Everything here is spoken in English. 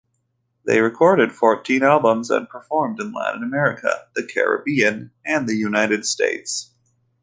They recorded fourteen albums and performed in Latin America, the Caribbean and United States.